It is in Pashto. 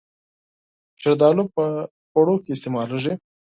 زردالو په خوړو کې استعمالېږي.